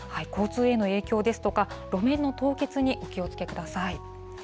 交通への影響ですとか、路面の凍結にお気をつけください。